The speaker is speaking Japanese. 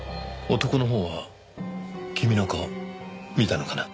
男のほうは君の顔見たのかな？